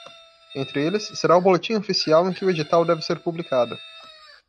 Entre eles, será o boletim oficial em que o edital deve ser publicado.